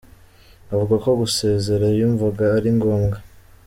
Avuga ko gusezera yumvaga ari ngombwa.